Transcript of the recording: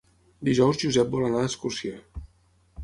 Dijous en Josep vol anar d'excursió.